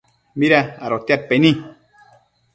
mida adotiadpaini